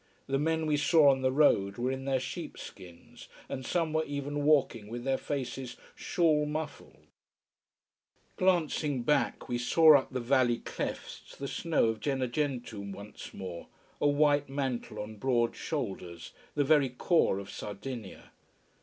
The men we saw on the road were in their sheepskins, and some were even walking with their faces shawl muffled. Glancing back, we saw up the valley clefts the snow of Gennargentu once more, a white mantle on broad shoulders, the very core of Sardinia.